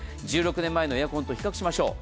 １６年前のエアコンと比較しましょう。